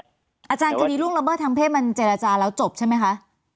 อาจารย์คดีล่วงละเมิดทางเพศมันเจรจาแล้วจบใช่ไหมคะ